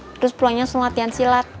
terus pulangnya seluat latian silat